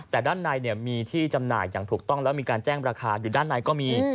แต่ด้านในมีที่จำหน่ายอย่างถูกต้องแล้วมีการแจ้งราคาอยู่ด้านในก็มี